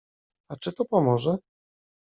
A czy to pomoże?